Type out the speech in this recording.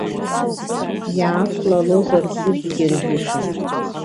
Иаақәлалозар, ӡыкгьы ржәышан.